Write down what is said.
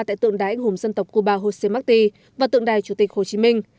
tại tượng đài anh hùng dân tộc cuba jose marti và tượng đài chủ tịch hồ chí minh